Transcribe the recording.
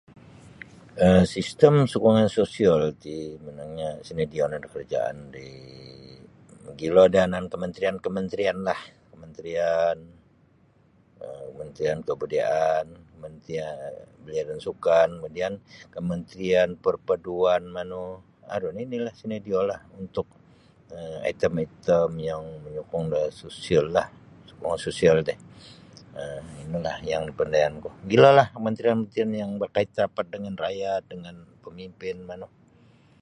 um sistem sokongan sosial ti monongnyo sinodio no da karajaan riii mogilo da yanan kementerian kementerianlah kementerian um kementerian kebudayaan kementerian belia dan sukan kemudian kementerian perpaduan manu aru ninilah sinodiolah untuk um item-item yang menyokong da sosiallah sokongan sosial ti inolah yang napandayanku mogilolah kementerian yang berkait rapat dengan rakyat dengan pemimpin manu.